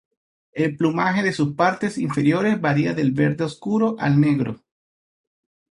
El plumaje de sus partes inferiores varía del verde oscuro al negro.